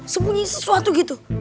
sempunyi sesuatu gitu